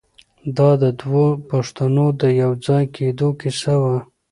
دا د دوو پښتنو د یو ځای کېدو کیسه وه.